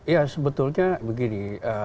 ya sebetulnya begini